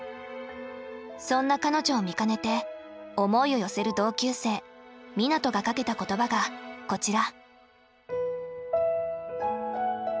そんな彼女を見かねて思いを寄せる同級生湊斗がかけた言葉がこちら。